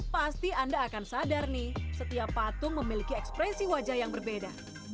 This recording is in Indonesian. pasti anda akan sadar nih setiap patung memiliki ekspresi wajah yang berbeda